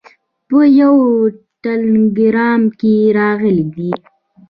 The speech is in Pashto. په یوه ټلګرام کې راغلي دي.